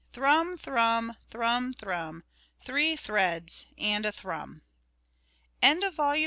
Thrum, thrum, thrum, thrum, Three threads and a thrum.